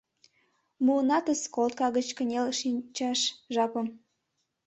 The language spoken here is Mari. — Муынатыс колотка гыч кынел шинчаш жапым.